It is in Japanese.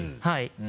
はい。